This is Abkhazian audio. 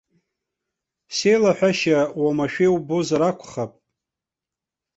Сеилаҳәашьа омашәа иубозар акәхап?